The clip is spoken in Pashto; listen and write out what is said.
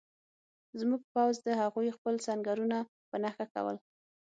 زموږ پوځ د هغوی خپل سنګرونه په نښه کول